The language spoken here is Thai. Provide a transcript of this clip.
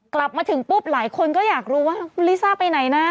กลับมาถึงปุ๊บหลายคนก็อยากรู้ว่าคุณลิซ่าไปไหนนะ